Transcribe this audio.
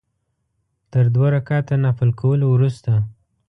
تر دوه رکعته نفل کولو وروسته.